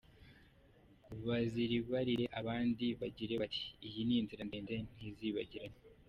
Bazaribarire abandi bagira bati : iyi ni inzira ndende ntizibagirane.